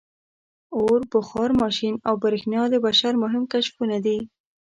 • اور، بخار ماشین او برېښنا د بشر مهم کشفونه دي.